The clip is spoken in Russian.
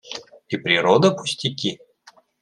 И природа пустяки?